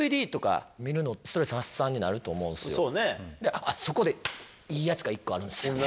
あっそこでいいやつが１個あるんすよ。